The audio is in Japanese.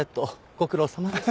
ご苦労さまです。